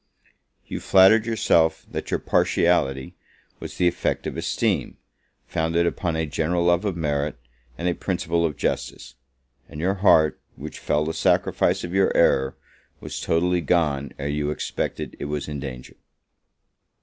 You flattered yourself that your partiality was the effect of esteem, founded upon a general love of merit, and a principle of justice; and your heart, which fell the sacrifice of your error, was totally gone ere you expected it was in danger.